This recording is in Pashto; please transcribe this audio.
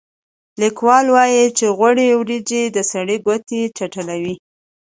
لیکوال وايي چې غوړې وریجې د سړي ګوتې چټلوي.